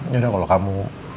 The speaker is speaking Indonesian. yaudah kalau kamu